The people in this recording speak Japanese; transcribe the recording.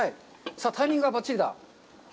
タイミングはばっちりだ！